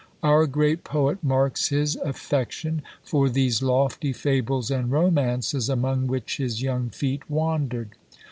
Our great poet marks his affection for "these lofty Fables and Romances, among which his young feet wandered."